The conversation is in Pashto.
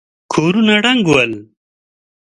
کورونه ړنګ ول.